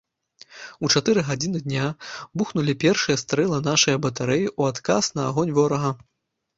У чатыры гадзіны дня бухнулі першыя стрэлы нашае батарэі ў адказ на агонь ворага.